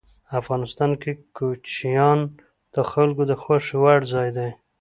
افغانستان کې کوچیان د خلکو د خوښې وړ ځای دی.